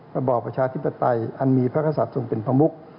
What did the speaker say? ระบบประชาธิปไตยอันมีพระศาสตร์ทรงเป็นพมุก